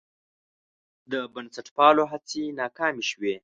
د بنسټپالو هڅې ناکامې شوې.